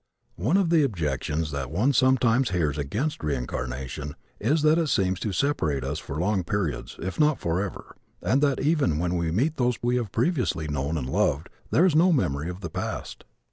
One of the objections that one sometimes hears against reincarnation is that it seems to separate us for long periods, if not forever, and that even when we meet those we have previously known and loved, there is no memory of the past.